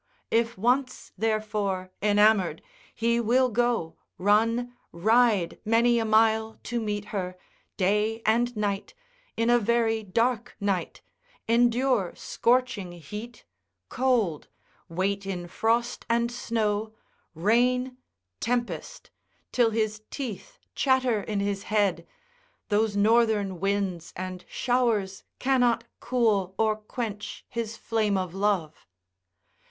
If once, therefore, enamoured, he will go, run, ride many a mile to meet her, day and night, in a very dark night, endure scorching heat, cold, wait in frost and snow, rain, tempest, till his teeth chatter in his head, those northern winds and showers cannot cool or quench his flame of love.